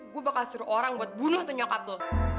gue bakal suruh orang buat bunuh tuh nyokap lo